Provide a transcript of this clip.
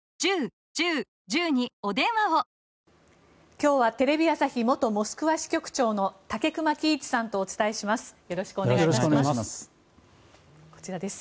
今日はテレビ朝日元モスクワ支局長の武隈喜一さんとお伝えします。